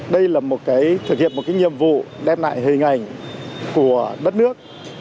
đây là một cái thực hiện một cái nhiệm vụ đem lại hình ảnh của đất nước